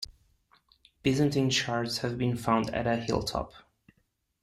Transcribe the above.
Byzantine shards have been found at a hilltop.